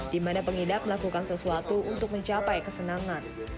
di mana pengidap melakukan sesuatu untuk mencapai kesenangan